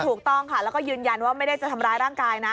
ถูกต้องค่ะแล้วก็ยืนยันว่าไม่ได้จะทำร้ายร่างกายนะ